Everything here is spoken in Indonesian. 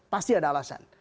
pasti ada alasan